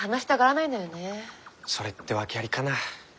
それって訳ありかな？